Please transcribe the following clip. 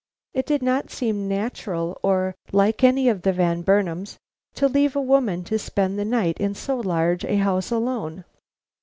It did not seem natural or like any of the Van Burnams to leave a woman to spend the night in so large a house alone."